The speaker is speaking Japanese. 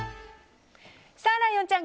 ライオンちゃん